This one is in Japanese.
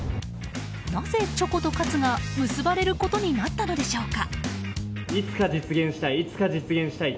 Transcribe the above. なぜ、チョコとカツが結ばれることになったのでしょうか。